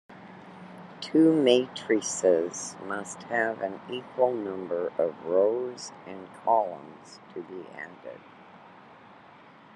Two matrices must have an equal number of rows and columns to be added.